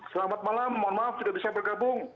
selamat malam mohon maaf sudah bisa bergabung